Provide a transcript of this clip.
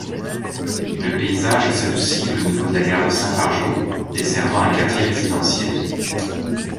Le paysage s'adoucit au niveau de la gare de Saint-Fargeau, desservant un quartier résidentiel.